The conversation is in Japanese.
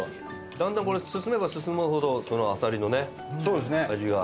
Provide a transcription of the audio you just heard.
だんだんこれ進めば進むほどあさりのね味が。